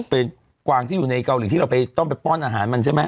เป็นกวางที่อยู่ในเกาหลีที่เราไปต้องไปป้อนอาหารมันใช่ไหม